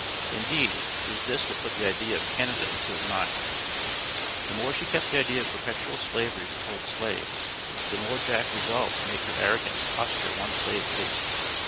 Indeed, it was this that put the idea of Canada into his mind. The more she kept the idea of perpetual Slavery before the slaves, the more Jack resolved to make her arrogance cost her one slave at least.